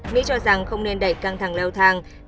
mỹ cho rằng không nên đẩy căng thẳng leo thang